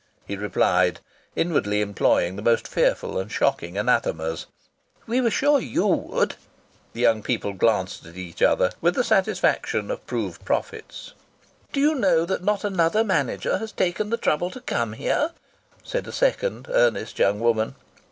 he replied, inwardly employing the most fearful and shocking anathemas. "We were sure you would!" The young people glanced at each other with the satisfaction of proved prophets. "D'you know that not another manager has taken the trouble to come here!" said a second earnest young woman.